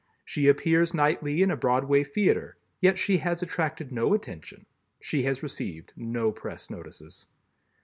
She appears nightly in a Broadway theater, yet she has attracted no attention. She has received no press notices.